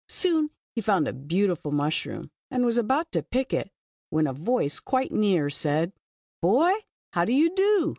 Soon he found a beautiful mushroom, and was about to pick it, when a voice quite near, said :" Boy, how do you do